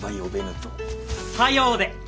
さようで！